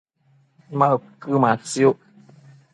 ma uquëmatsiuc?